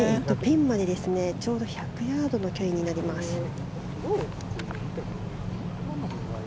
ピンまでちょうど１００ヤードの距離になります。